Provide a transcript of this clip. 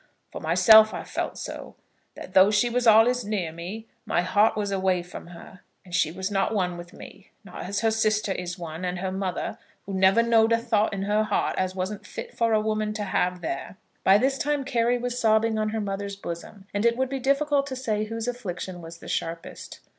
For myself I felt so, that though she was allays near me, my heart was away from her, and she was not one with me, not as her sister is one, and her mother, who never know'd a thought in her heart as wasn't fit for a woman to have there." By this time Carry was sobbing on her mother's bosom, and it would be difficult to say whose affliction was the sharpest.